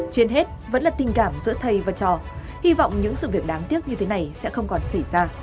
trên hết vẫn là tình cảm giữa thầy và trò hy vọng những sự việc đáng tiếc như thế này sẽ không còn xảy ra